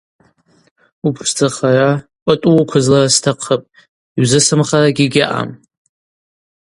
Упшдзахара, пӏатӏу уыквызлара стахъыпӏ, йузысымхарагьи гьаъам.